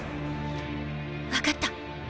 分かった。